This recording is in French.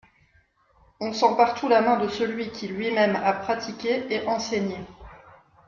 On sent partout la main de celui qui lui-même a pratiqué et enseigné.